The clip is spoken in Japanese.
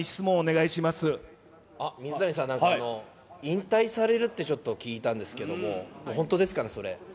水谷さん、なんか引退されるって、ちょっと聞いたんですけども、本当ですかね？